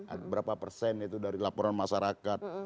ada berapa persen itu dari laporan masyarakat